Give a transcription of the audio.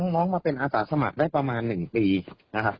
น้องมาเป็นอาสาสมัครได้ประมาณ๑ปีนะครับ